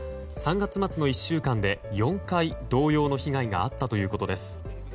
３月末の１週間で４回同様の被害があったということです。